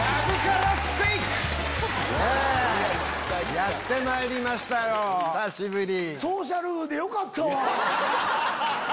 やってまいりましたよ久しぶり。